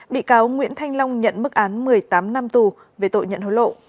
bị cáo nguyễn thanh long nhận mức án một mươi tám năm tù về tội nhận hối lộ